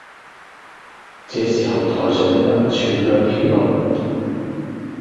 這時候台上的燈全亮起來